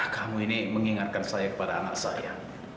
kamu ini mengingatkan saya kepada anak saya